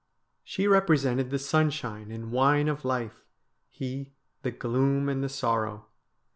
She represented the sunshine and wine of life, he the gloom and the sorrow.